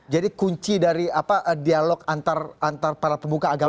jadi kunci dari apa dialog antara para pembuka agama adalah sebenarnya apa